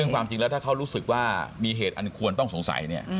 ซึ่งความจริงแล้วถ้าเขารู้สึกว่ามีเหตุอันควรต้องสงสัยเนี่ย